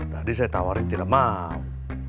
tadi saya tawarin tidak mau